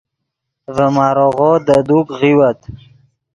ڤے ماریغو دے دوک غیوت